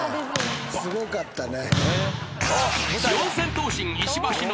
すごかったね。